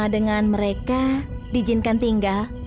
dengan mereka diizinkan tinggal